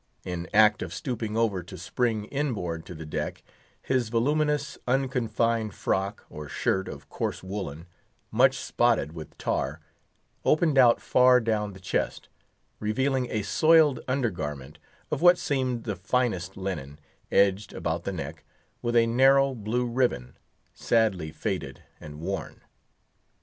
In act of stooping over to spring inboard to the deck, his voluminous, unconfined frock, or shirt, of coarse woolen, much spotted with tar, opened out far down the chest, revealing a soiled under garment of what seemed the finest linen, edged, about the neck, with a narrow blue ribbon, sadly faded and worn.